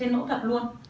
em dạy thực hành